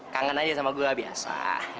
kangen aja sama gula biasa